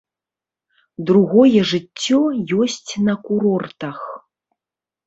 Другое жыццё ёсць на курортах.